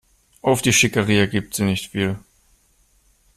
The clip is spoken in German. Auf die Schickeria gibt sie nicht viel.